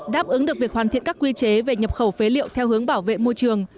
đáp ứng được việc hoàn thiện các quy chế về nhập khẩu phế liệu theo hướng bảo vệ môi trường